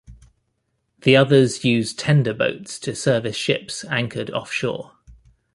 The others use tender boats to service ships anchored off shore.